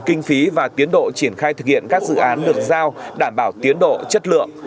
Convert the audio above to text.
kinh phí và tiến độ triển khai thực hiện các dự án được giao đảm bảo tiến độ chất lượng